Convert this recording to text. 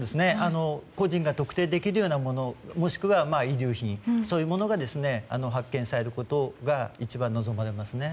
個人が特定できるようなものもしくは遺留品そういうものが発見されることが一番望まれますね。